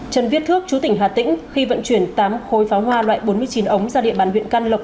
trần viết thước chú tỉnh hà tĩnh khi vận chuyển tám khối pháo hoa loại bốn mươi chín ống ra địa bàn huyện can lộc